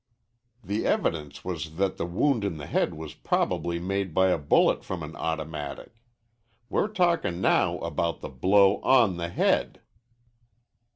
"The evidence was that the wound in the head was probably made by a bullet from an automatic. We're talkin' now about the blow on the head."